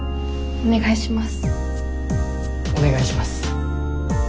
お願いします。